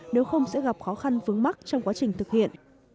nếu không sẽ gặp khó khăn vướng mắt trong quá trình thực hiện